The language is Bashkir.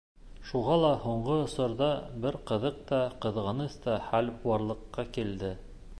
Шуға ла һуңғы осорҙа бер ҡыҙыҡ та, ҡыҙғаныс та хәл барлыҡҡа килде.